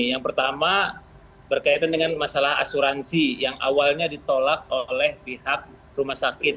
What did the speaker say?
yang pertama berkaitan dengan masalah asuransi yang awalnya ditolak oleh pihak rumah sakit